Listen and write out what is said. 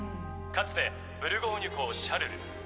かつてブルゴーニュ公シャルル